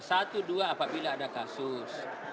satu dua apabila ada kasus